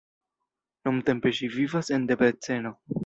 Nuntempe ŝi vivas en Debreceno.